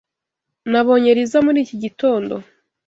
Nabonye Liz muri iki gitondo